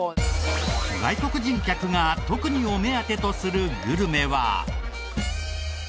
外国人客が特にお目当てとするグルメは。